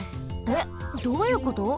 えっ？どういうこと？